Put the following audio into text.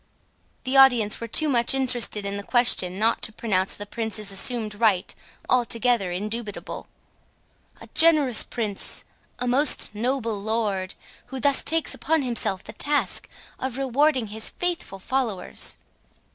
The audience were too much interested in the question not to pronounce the Prince's assumed right altogether indubitable. "A generous Prince!—a most noble Lord, who thus takes upon himself the task of rewarding his faithful followers!"